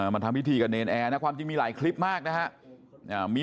มาทำพิธีกับเนรนแอร์นะความจริงมีหลายคลิปมากนะฮะ